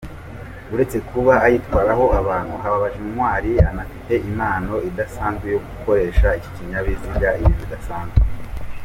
Uretse kuba ayitwaraho abantu, Hababajintwali anafite impano idasanzwe yo gukoresha iki kinyabiziga ibintu bidasanzwe .